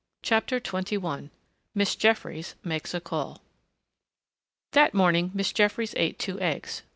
CHAPTER XXI MISS JEFFRIES MAKES A CALL That morning Miss Jeffries ate two eggs.